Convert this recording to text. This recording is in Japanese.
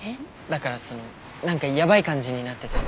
だからそのなんかやばい感じになってて。